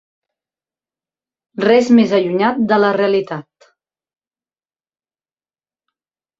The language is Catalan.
Res més allunyat de la realitat.